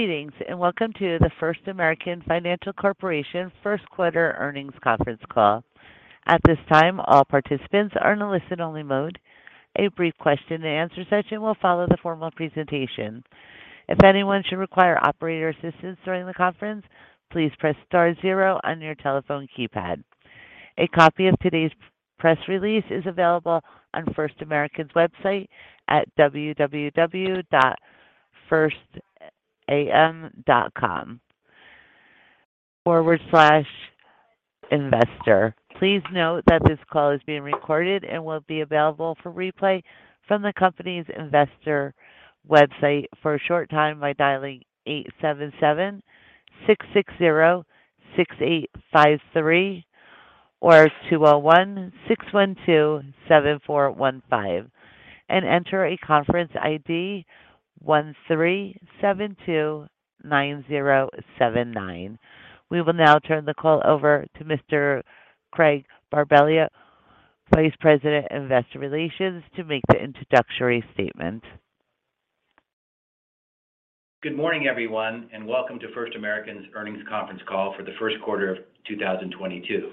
Greetings and welcome to the First American Financial Corporation first quarter earnings conference call. At this time, all participants are in a listen-only mode. A brief question and answer session will follow the formal presentation. If anyone should require operator assistance during the conference, please press star zero on your telephone keypad. A copy of today's press release is available on First American's website at www.firstam.com/investor. Please note that this call is being recorded and will be available for replay from the company's investor website for a short time by dialing 877-660-6853 or 216-127-415 and enter a conference ID 13729079. We will now turn the call over to Mr. Craig Barberio, Vice President, Investor Relations, to make the introductory statement. Good morning, everyone, and welcome to First American's Earnings Conference Call for the first quarter of 2022.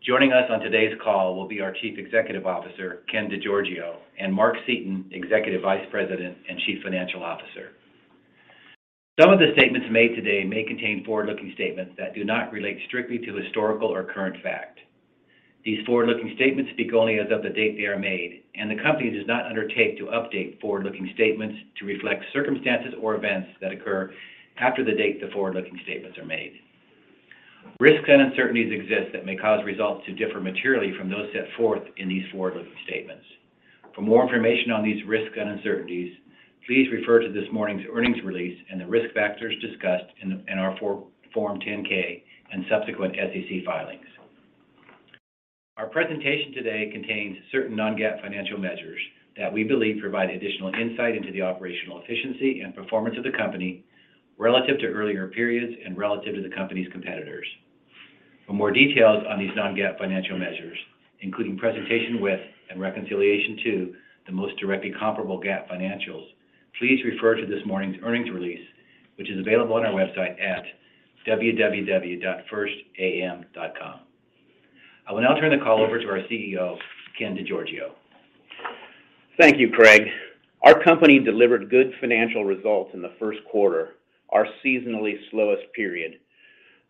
Joining us on today's call will be our Chief Executive Officer, Ken DeGiorgio, and Mark Seaton, Executive Vice President and Chief Financial Officer. Some of the statements made today may contain forward-looking statements that do not relate strictly to historical or current fact. These forward-looking statements speak only as of the date they are made, and the company does not undertake to update forward-looking statements to reflect circumstances or events that occur after the date the forward-looking statements are made. Risks and uncertainties exist that may cause results to differ materially from those set forth in these forward-looking statements. For more information on these risks and uncertainties, please refer to this morning's earnings release and the risk factors discussed in our Form 10-K and subsequent SEC filings. Our presentation today contains certain non-GAAP financial measures that we believe provide additional insight into the operational efficiency and performance of the company relative to earlier periods and relative to the company's competitors. For more details on these non-GAAP financial measures, including presentation with and reconciliation to the most directly comparable GAAP financials, please refer to this morning's earnings release, which is available on our website at www.firstam.com. I will now turn the call over to our CEO, Ken DeGiorgio. Thank you, Craig. Our company delivered good financial results in the first quarter, our seasonally slowest period.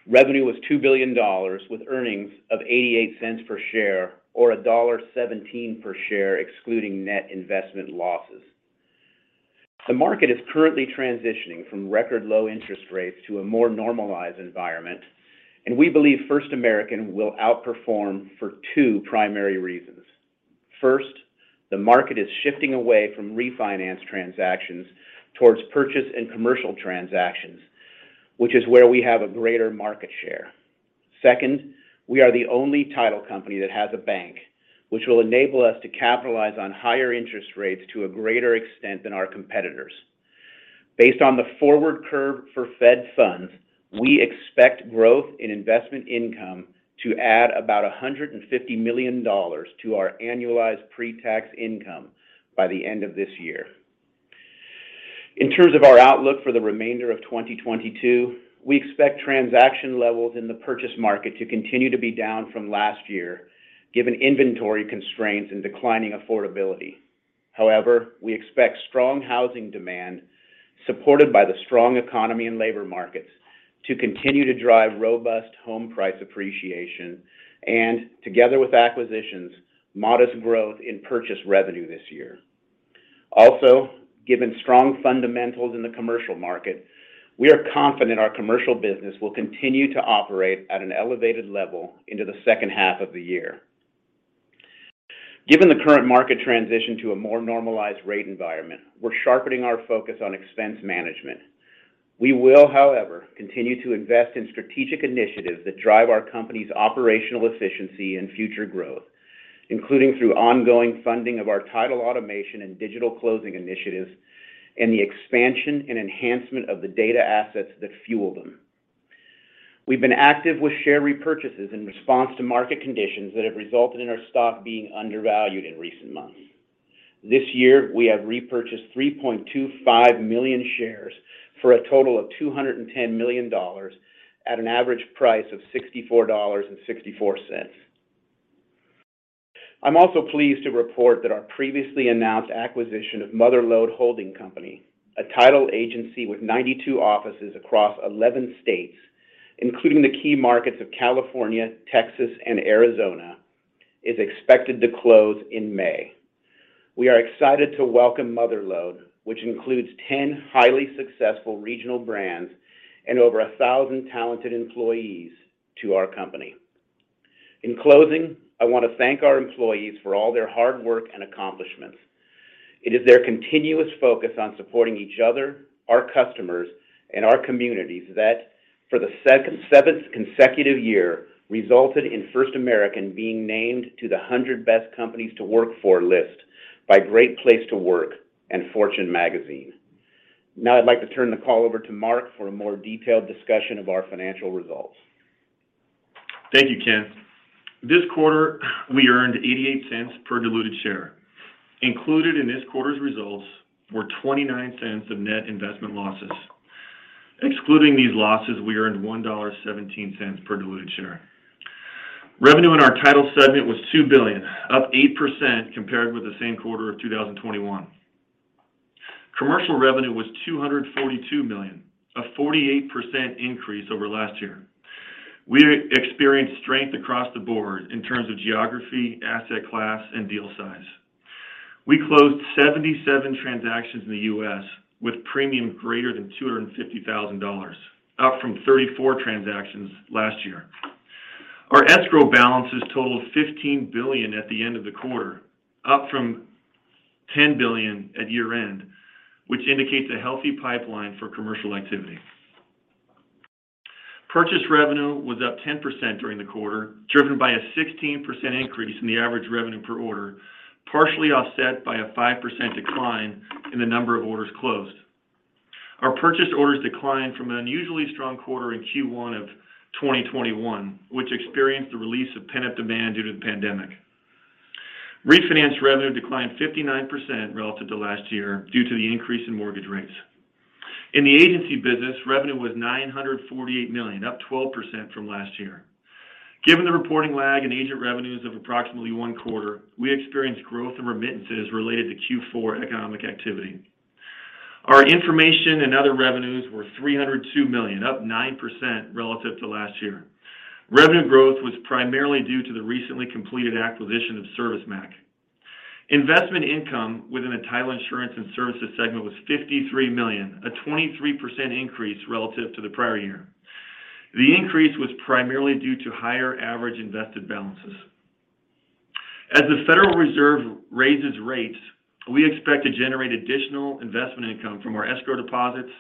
Revenue was $2 billion with earnings of $0.88 per share or $1.17 per share excluding net investment losses. The market is currently transitioning from record low interest rates to a more normalized environment, and we believe First American will outperform for two primary reasons. First, the market is shifting away from refinance transactions towards purchase and commercial transactions, which is where we have a greater market share. Second, we are the only title company that has a bank, which will enable us to capitalize on higher interest rates to a greater extent than our competitors. Based on the forward curve for Fed Funds, we expect growth in investment income to add about $150 million to our annualized pre-tax income by the end of this year. In terms of our outlook for the remainder of 2022, we expect transaction levels in the purchase market to continue to be down from last year given inventory constraints and declining affordability. However, we expect strong housing demand supported by the strong economy and labor markets to continue to drive robust home price appreciation and, together with acquisitions, modest growth in purchase revenue this year. Also, given strong fundamentals in the commercial market, we are confident our commercial business will continue to operate at an elevated level into the second half of the year. Given the current market transition to a more normalized rate environment, we're sharpening our focus on expense management. We will, however, continue to invest in strategic initiatives that drive our company's operational efficiency and future growth, including through ongoing funding of our title automation and digital closing initiatives and the expansion and enhancement of the data assets that fuel them. We've been active with share repurchases in response to market conditions that have resulted in our stock being undervalued in recent months. This year, we have repurchased 3.25 million shares for a total of $210 million at an average price of $64.64. I'm also pleased to report that our previously announced acquisition of Mother Lode Holding Company, a title agency with 92 offices across 11 states, including the key markets of California, Texas, and Arizona, is expected to close in May. We are excited to welcome Mother Lode, which includes 10 highly successful regional brands and over 1,000 talented employees to our company. In closing, I want to thank our employees for all their hard work and accomplishments. It is their continuous focus on supporting each other, our customers, and our communities that, for the seventh consecutive year, resulted in First American being named to the 100 Best Companies to Work For list by Great Place to Work and Fortune magazine. Now I'd like to turn the call over to Mark for a more detailed discussion of our financial results. Thank you, Ken. This quarter, we earned $0.88 per diluted share. Included in this quarter's results were $0.29 of net investment losses. Excluding these losses, we earned $1.17 per diluted share. Revenue in our title segment was $2 billion, up 8% compared with the same quarter of 2021. Commercial revenue was $242 million, a 48% increase over last year. We experienced strength across the board in terms of geography, asset class, and deal size. We closed 77 transactions in the U.S. with premiums greater than $250,000, up from 34 transactions last year. Our escrow balances totaled $15 billion at the end of the quarter, up from $10 billion at year-end, which indicates a healthy pipeline for commercial activity. Purchase revenue was up 10% during the quarter, driven by a 16% increase in the average revenue per order, partially offset by a 5% decline in the number of orders closed. Our purchase orders declined from an unusually strong quarter in Q1 of 2021, which experienced the release of pent-up demand due to the pandemic. Refinance revenue declined 59% relative to last year due to the increase in mortgage rates. In the agency business, revenue was $948 million, up 12% from last year. Given the reporting lag in agent revenues of approximately one quarter, we experienced growth in remittances related to Q4 economic activity. Our information and other revenues were $302 million, up 9% relative to last year. Revenue growth was primarily due to the recently completed acquisition of ServiceMac. Investment income within the title insurance and services segment was $53 million, a 23% increase relative to the prior year. The increase was primarily due to higher average invested balances. As the Federal Reserve raises rates, we expect to generate additional investment income from our escrow deposits,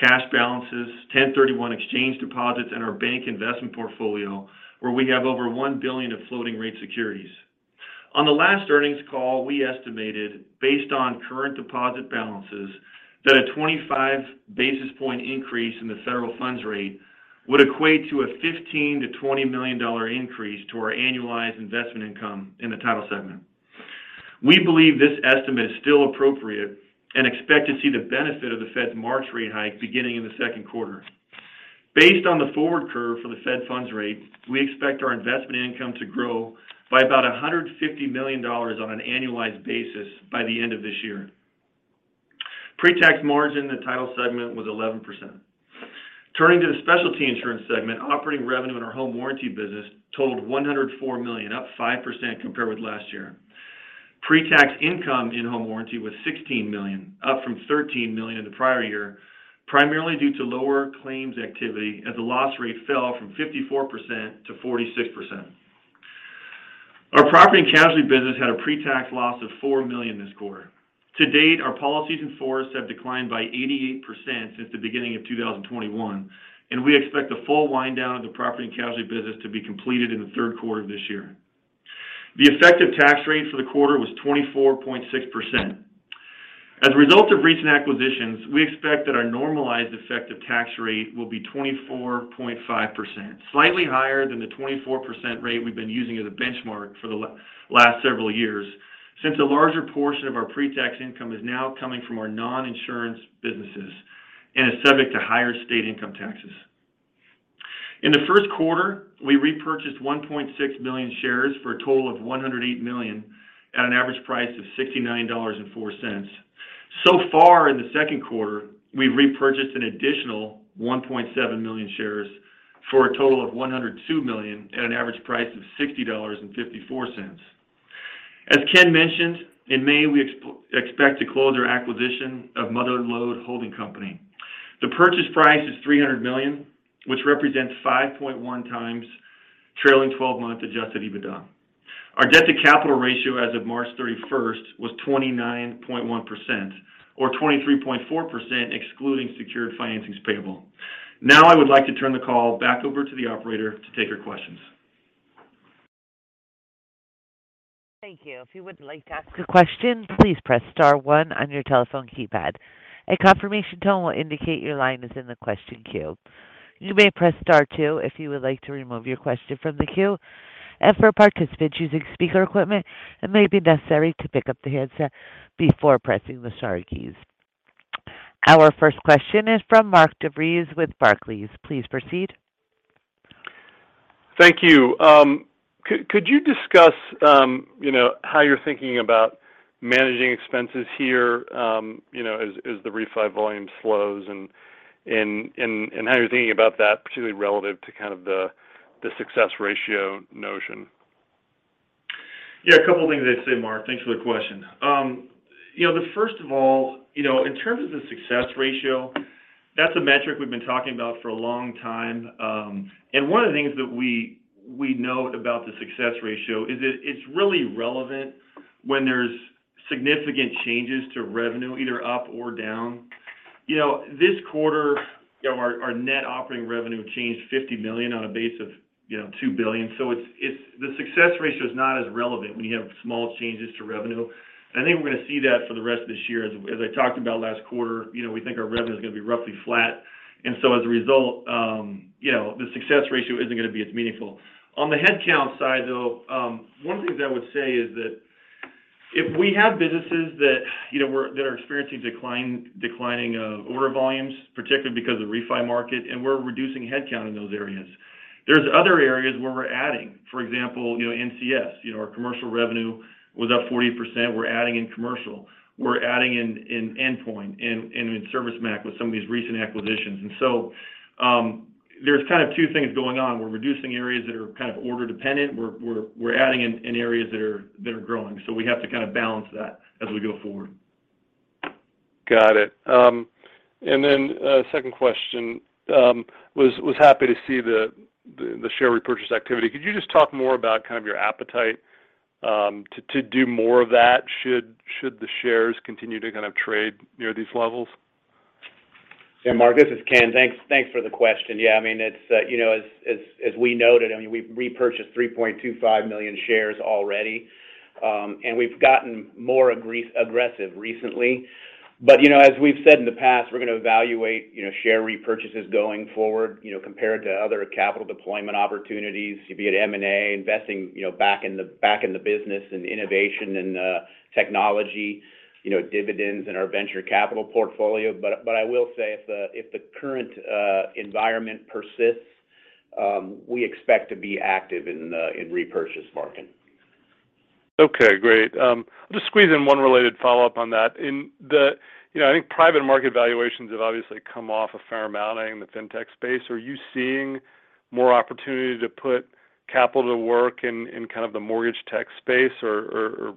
cash balances, 1,031 exchange deposits, and our bank investment portfolio, where we have over $1 billion of floating-rate securities. On the last earnings call, we estimated, based on current deposit balances, that a 25 basis point increase in the federal funds rate would equate to a $15 million-$20 million increase to our annualized investment income in the title segment. We believe this estimate is still appropriate and expect to see the benefit of the Fed's March rate hike beginning in the second quarter. Based on the forward curve for the Fed Funds rate, we expect our investment income to grow by about $150 million on an annualized basis by the end of this year. Pre-tax margin in the title segment was 11%. Turning to the specialty insurance segment, operating revenue in our home warranty business totaled $104 million, up 5% compared with last year. Pre-tax income in home warranty was $16 million, up from $13 million in the prior year, primarily due to lower claims activity as the loss rate fell from 54% to 46%. Our property and casualty business had a pre-tax loss of $4 million this quarter. To date, our policies in force have declined by 88% since the beginning of 2021, and we expect the full wind down of the property and casualty business to be completed in the third quarter of this year. The effective tax rate for the quarter was 24.6%. As a result of recent acquisitions, we expect that our normalized effective tax rate will be 24.5%, slightly higher than the 24% rate we've been using as a benchmark for the last several years, since a larger portion of our pre-tax income is now coming from our non-insurance businesses and is subject to higher state income taxes. In the first quarter, we repurchased 1.6 million shares for a total of $108 million at an average price of $69.04. So far in the second quarter, we've repurchased an additional 1.7 million shares for a total of $102 million at an average price of $60.54. As Ken mentioned, in May, we expect to close our acquisition of Mother Lode Holding Company. The purchase price is $300 million, which represents 5.1x trailing 12-month adjusted EBITDA. Our debt-to-capital ratio as of March 31st was 29.1%, or 23.4% excluding secured financings payable. Now I would like to turn the call back over to the operator to take your questions. Thank you. If you would like to ask a question, please press star one on your telephone keypad. A confirmation tone will indicate your line is in the question queue. You may press star two if you would like to remove your question from the queue. As for participants using speaker equipment, it may be necessary to pick up the handset before pressing the star keys. Our first question is from Mark DeVries with Barclays. Please proceed. Thank you. Could you discuss, you know, how you're thinking about managing expenses here, you know, as the refi volume slows and how you're thinking about that particularly relative to kind of the success ratio notion? Yeah, a couple of things I'd say, Mark. Thanks for the question. You know, the first of all, you know, in terms of the success ratio, that's a metric we've been talking about for a long time. And one of the things that we note about the success ratio is it's really relevant when there's significant changes to revenue, either up or down. You know, this quarter, you know, our net operating revenue changed $50 million on a base of, you know, $2 billion. It's the success ratio is not as relevant when you have small changes to revenue. I think we're going to see that for the rest of this year. As I talked about last quarter, you know, we think our revenue is going to be roughly flat. As a result, you know, the success ratio isn't going to be as meaningful. On the headcount side, though, one of the things I would say is that if we have businesses that, you know, that are experiencing declining order volumes, particularly because of the refi market, and we're reducing headcount in those areas. There's other areas where we're adding. For example, you know, NCS. You know, our commercial revenue was up 40%. We're adding in commercial. We're adding in Endpoint and in ServiceMac with some of these recent acquisitions. There's kind of two things going on. We're reducing areas that are kind of order dependent. We're adding in areas that are growing. We have to kind of balance that as we go forward. Got it. Second question. Was happy to see the share repurchase activity. Could you just talk more about kind of your appetite to do more of that should the shares continue to kind of trade near these levels? Yeah, Mark, this is Ken. Thanks for the question. Yeah, I mean, it's, you know, as we noted, I mean, we've repurchased 3.25 million shares already. We've gotten more aggressive recently. You know, as we've said in the past, we're gonna evaluate, you know, share repurchases going forward, you know, compared to other capital deployment opportunities, be it M&A, investing, you know, back in the business and innovation and technology, you know, dividends in our venture capital portfolio. I will say if the current environment persists, we expect to be active in the repurchase market. Okay, great. I'll just squeeze in one related follow-up on that. You know, I think private market valuations have obviously come off a fair amount in the Fintech space. Are you seeing more opportunity to put capital to work in kind of the mortgage tech space? Or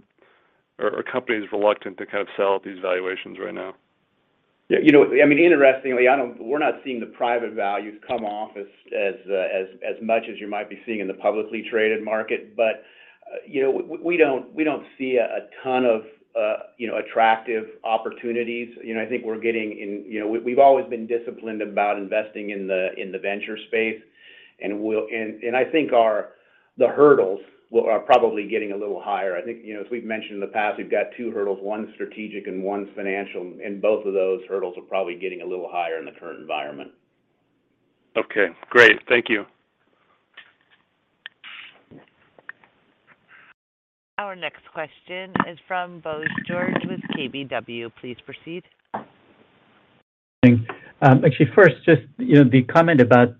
are companies reluctant to kind of sell at these valuations right now? Yeah, you know what? I mean, interestingly, we're not seeing the private values come off as much as you might be seeing in the publicly traded market. You know, we don't see a ton of, you know, attractive opportunities. You know, we've always been disciplined about investing in the venture space, and I think our hurdles are probably getting a little higher. I think, you know, as we've mentioned in the past, we've got two hurdles, one strategic and one financial. Both of those hurdles are probably getting a little higher in the current environment. Okay, great. Thank you. Our next question is from Bose George with KBW. Please proceed. Thanks. Actually, first, just, you know, the comment about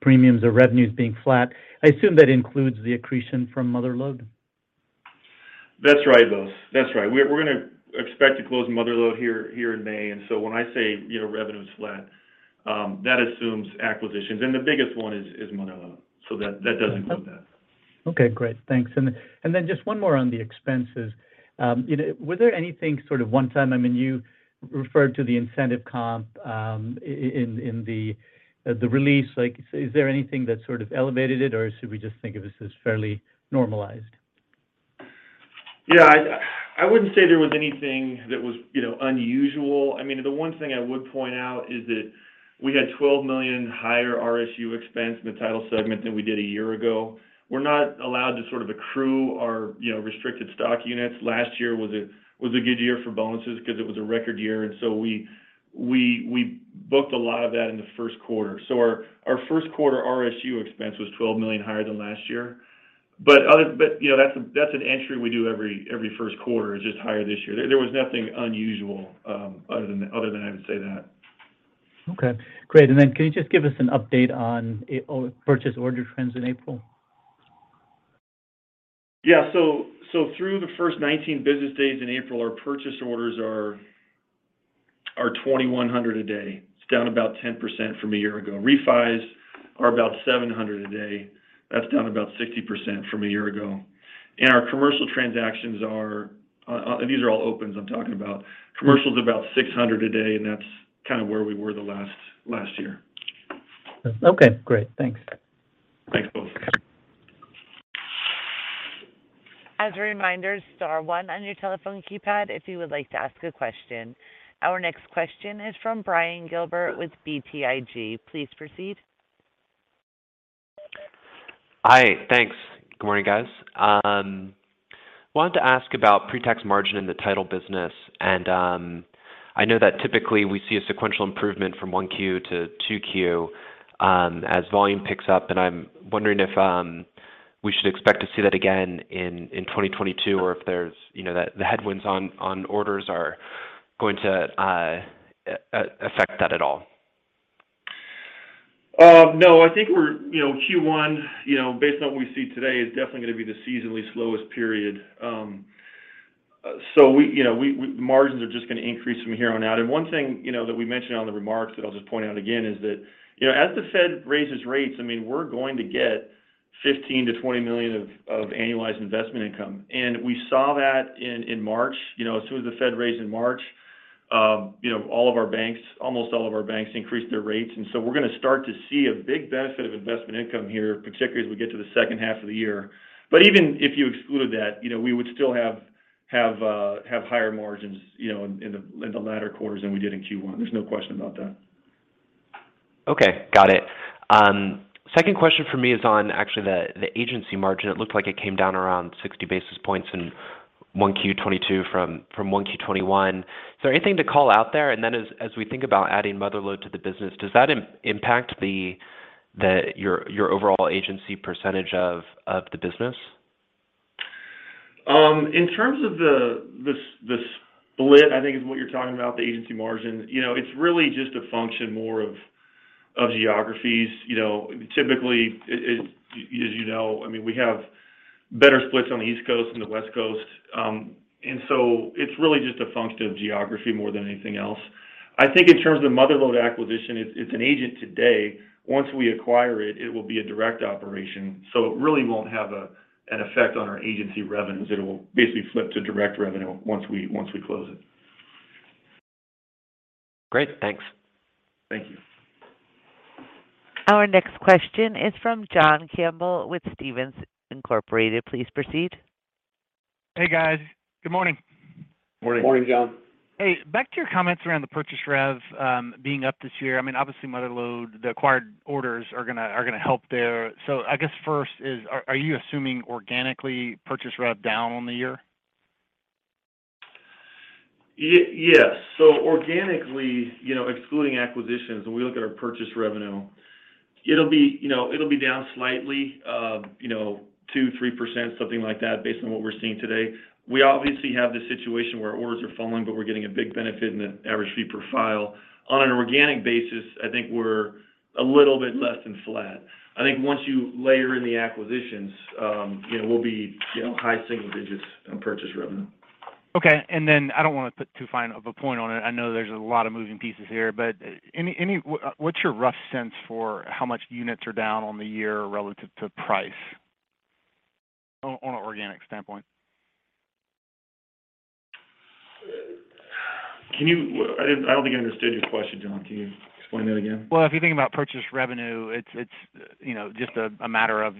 premiums or revenues being flat, I assume that includes the accretion from Mother Lode. That's right, Bose. That's right. We're gonna expect to close Mother Lode here in May. When I say, you know, revenue's flat, that assumes acquisitions, and the biggest one is Mother Lode. That does include that. Okay, great. Thanks. Just one more on the expenses. You know, was there anything sort of one time? I mean, you referred to the incentive comp in the release. Like, is there anything that sort of elevated it or should we just think of this as fairly normalized? Yeah. I wouldn't say there was anything that was, you know, unusual. I mean, the one thing I would point out is that we had $12 million higher RSU expense in the title segment than we did a year ago. We're not allowed to sort of accrue our, you know, restricted stock units. Last year was a good year for bonuses 'cause it was a record year, and so we booked a lot of that in the first quarter. Our first quarter RSU expense was $12 million higher than last year. But, you know, that's an entry we do every first quarter. It's just higher this year. There was nothing unusual, other than that, other than I would say that. Okay, great. Can you just give us an update on purchase order trends in April? Through the first 19 business days in April, our purchase orders are 2,100 a day. It's down about 10% from a year ago. Refis are about 700 a day. That's down about 60% from a year ago. Our commercial transactions are all opens I'm talking about. Commercial's about 600 a day, and that's kind of where we were last year. Okay, great. Thanks. Thanks, Bose. As a reminder, star one on your telephone keypad if you would like to ask a question. Our next question is from Brian Gilbert with BTIG. Please proceed. Hi. Thanks. Good morning, guys. Wanted to ask about pre-tax margin in the title business. I know that typically we see a sequential improvement from Q1 to Q2 as volume picks up, and I'm wondering if we should expect to see that again in 2022 or if there's, you know, the headwinds on orders are going to affect that at all. No. I think we're, you know, Q1, you know, based on what we see today, is definitely gonna be the seasonally slowest period. We, you know, margins are just gonna increase from here on out. One thing, you know, that we mentioned on the remarks that I'll just point out again is that, you know, as the Fed raises rates, I mean, we're going to get $15million-$20 million of annualized investment income. We saw that in March. You know, as soon as the Fed raised in March, you know, all of our banks, almost all of our banks increased their rates. We're gonna start to see a big benefit of investment income here, particularly as we get to the second half of the year. Even if you excluded that, you know, we would still have higher margins, you know, in the latter quarters than we did in Q1. There's no question about that. Okay, got it. Second question for me is on actually the agency margin. It looked like it came down around 60 basis points in Q1 2022 from Q1 2021. Is there anything to call out there? Then as we think about adding Mother Lode to the business, does that impact your overall agency percentage of the business? In terms of the split, I think is what you're talking about, the agency margin, you know, it's really just a function more of geographies. You know, typically, it, as you know, I mean, we have better splits on the East Coast than the West Coast. It's really just a function of geography more than anything else. I think in terms of the Mother Lode acquisition, if it's an agent today, once we acquire it will be a direct operation. It really won't have an effect on our agency revenues. It'll basically flip to direct revenue once we close it. Great. Thanks. Thank you. Our next question is from John Campbell with Stephens. Please proceed. Hey, guys. Good morning. Morning. Morning, John. Hey, back to your comments around the purchase rev being up this year. I mean, obviously, Mother Lode, the acquired orders are gonna help there. I guess first is, are you assuming organically purchase rev down on the year? Yes. Organically, you know, excluding acquisitions, when we look at our purchase revenue, it'll be down slightly, you know, 2%-3%, something like that, based on what we're seeing today. We obviously have this situation where orders are falling, but we're getting a big benefit in the average fee per file. On an organic basis, I think we're a little bit less than flat. I think once you layer in the acquisitions, you know, we'll be high single digits% on purchase revenue. Okay. I don't wanna put too fine of a point on it. I know there's a lot of moving parts here, but anyway, what's your rough sense for how much units are down on the year relative to price on an organic standpoint? I don't think I understood your question, John. Can you explain that again? Well, if you think about purchase revenue, it's you know, just a matter of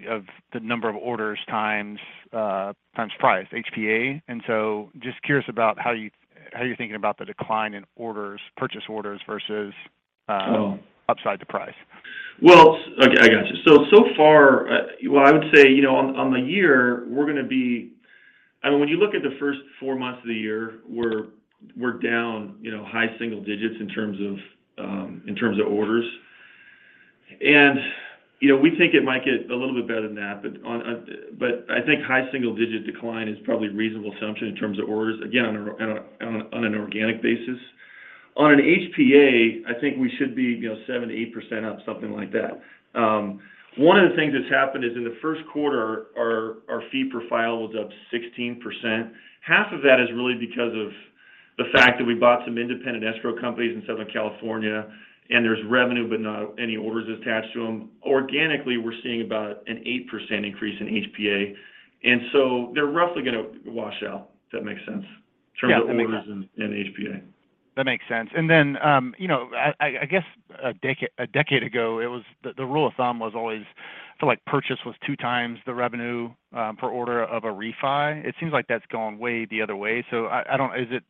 the number of orders times price, HPA. Just curious about how you're thinking about the decline in orders, purchase orders versus Oh Upside the price. Well, okay, I got you. So far, what I would say, you know, on the year. When you look at the first four months of the year, we're down, you know, high single digits in terms of orders. We think it might get a little bit better than that, but I think high single digit decline is probably reasonable assumption in terms of orders, again, on an organic basis. On an HPA, I think we should be, you know, 7%-8% up, something like that. One of the things that's happened is in the first quarter, our fee per file was up 16%. Half of that is really because of the fact that we bought some independent escrow companies in Southern California, and there's revenue but not any orders attached to them. Organically, we're seeing about an 8% increase in HPA. They're roughly gonna wash out. Does that make sense? Yeah, that makes sense. In terms of orders and HPA. That makes sense. I guess a decade ago, it was the rule of thumb was always. I feel like purchase was 2x the revenue per order of a refi. It seems like that's gone way the other way. Is it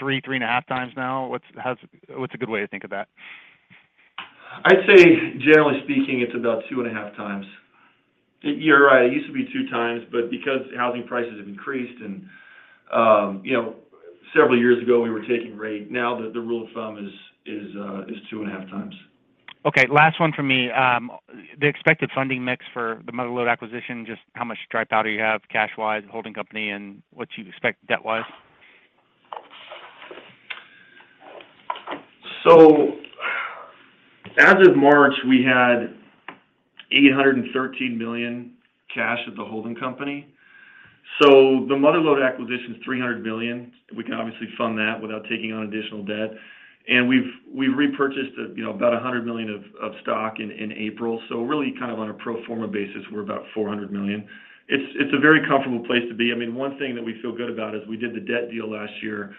3.5x now? What's a good way to think of that? I'd say, generally speaking, it's about 2.5x. You're right. It used to be 2x, but because housing prices have increased and, you know, several years ago, we were taking rate. Now the rule of thumb is 2.5x. Okay, last one for me. The expected funding mix for the Mother Lode acquisition, just how much dry powder you have cash-wise, holding company, and what you expect debt-wise? As of March, we had $813 million cash at the holding company. The Mother Lode acquisition is $300 million. We can obviously fund that without taking on additional debt. We've repurchased you know about $100 million of stock in April. Really kind of on a pro forma basis, we're about $400 million. It's a very comfortable place to be. I mean, one thing that we feel good about is we did the debt deal last year,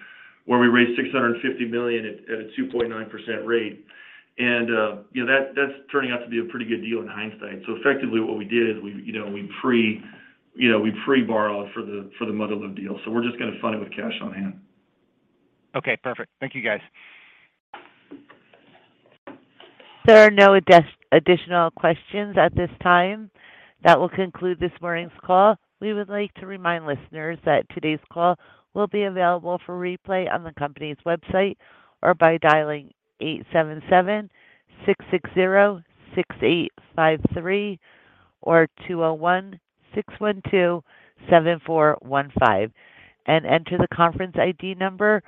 where we raised $650 million at a 2.9% rate. You know, that's turning out to be a pretty good deal in hindsight. Effectively, what we did is we you know pre-borrowed for the Mother Lode deal. We're just gonna fund it with cash on hand. Okay, perfect. Thank you, guys. There are no additional questions at this time. That will conclude this morning's call. We would like to remind listeners that today's call will be available for replay on the company's website or by dialing 877-660-6853 or 201-612-7415 and enter the conference ID number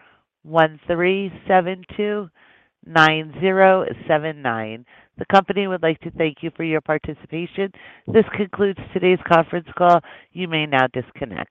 13729079. The company would like to thank you for your participation. This concludes today's conference call. You may now disconnect.